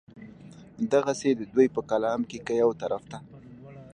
دغسې د دوي پۀ کلام کښې کۀ يو طرف ته